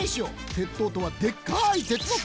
鉄塔とはでっかい鉄の塔！